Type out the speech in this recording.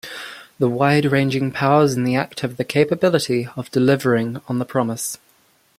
The wide-ranging powers in the Act have the capability of delivering on the promise.